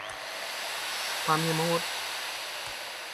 ความเหี้ยมโหด